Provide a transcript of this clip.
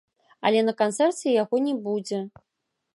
Але на канцэрце яго не будзе.